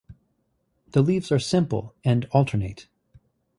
The leaves are simple and alternate.